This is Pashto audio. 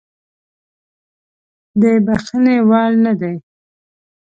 د بخښنې وړ نه دی.